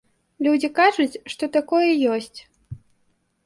Людзі кажуць, што такое ёсць.